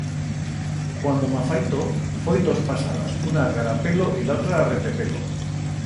Cuando m'afaito, foi dos pasadas, una a carapelo y la otra a retepelo.